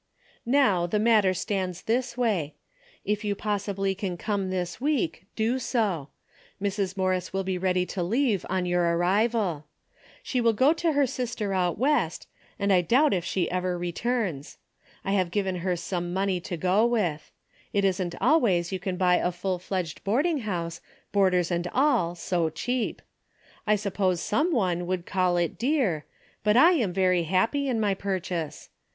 " Now the matter stands this way. If you possibly can come this week, do so. Mrs. Mor ris will be ready to leave on your arrival. She will go to her sister out West, and I doubt if she ever returns. I have given her some money to go with. It isn't always you can buy a full fledged boarding house, boarders and all so cheap. I suppose some one would call it dear, but I am very happy in my purchase.